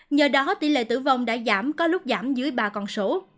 nhờ đó tỷ lệ tử vong đã giảm có lúc giảm dưới ba con số